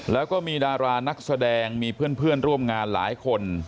แล้วก็มีดารานักแสดงมีเพื่อนร่วมงานหลายคน